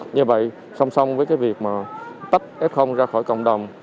như vậy song song với cái việc mà tách f ra khỏi cộng đồng